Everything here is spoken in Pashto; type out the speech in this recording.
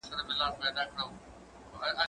زه به مځکي ته کتلې وي؟